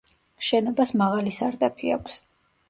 შენობას მაღალი სარდაფი აქვს.